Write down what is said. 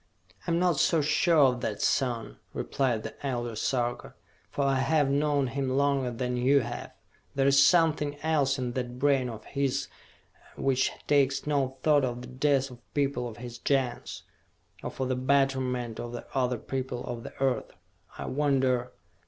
"I am not so sure of that, son!" replied the Elder Sarka. "For I have known him longer than you have! There's something else in that brain of his which takes no thought of the death of people of his Gens or for the betterment of the other people of the Earth! I wonder...."